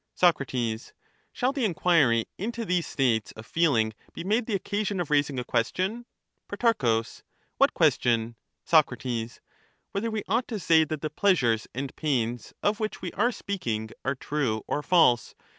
Soc. Shall the enquiry into these states of feeling be made the occasion of raising a question ? Pro. What question ? Soc. Whether we ought to say that the pleasures and pains of which we are speaking are true or false